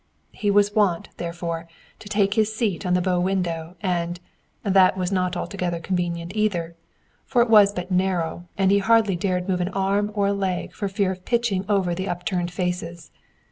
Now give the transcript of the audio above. He was wont, therefore to take his seat on the bow window, and, that was not altogether convenient either, for it was but narrow, and he hardly dared move an arm or a leg for fear of pitching over on the upturned faces.